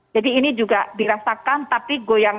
jadi ini juga dirasakan tetapi goyang